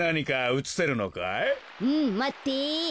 うんまって。